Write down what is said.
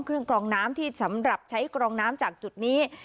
กรองน้ำที่สำหรับใช้กรองน้ำจากจุดนี้